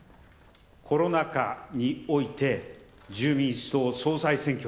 コロナ禍において、自民党総裁選挙